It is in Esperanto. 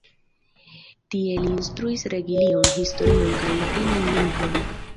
Tie li instruis religion, historion kaj latinan lingvon.